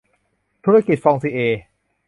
ธุรกิจเครดิตฟองซิเอร์